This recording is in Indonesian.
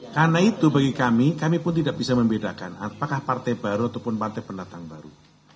karena itu bagi kami kami pun tidak bisa membedakan apakah partai baru ataupun partai pendatang baru